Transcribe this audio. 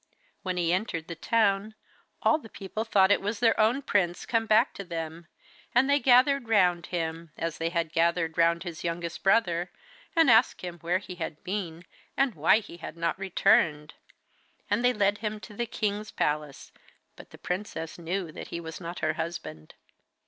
When he entered the town, all the people thought it was their own prince come back to them, and they gathered round him, as they had gathered round his youngest brother, and asked him where he had been and why he had not returned. And they led him to the king's palace, but the princess knew that he was not her husband.